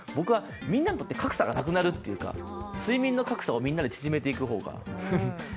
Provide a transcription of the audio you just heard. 僕はみんなにとって格差がなくなるというか睡眠の格差をみんなで縮めていく方が。